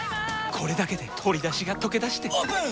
これだけで鶏だしがとけだしてオープン！